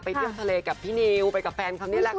เที่ยวทะเลกับพี่นิวไปกับแฟนเขานี่แหละค่ะ